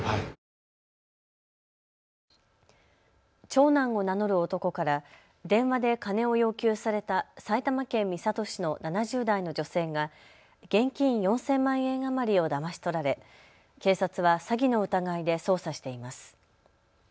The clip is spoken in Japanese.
長男を名乗る男から電話で金を要求された埼玉県三郷市の７０代の女性が現金４０００万円余りをだまし取られ、警察は詐欺の疑いで捜査しています。